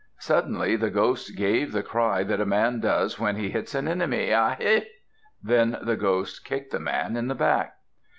Suddenly the ghost gave the cry that a man does when he hits an enemy, "A he!" Then the ghost kicked the man in the back.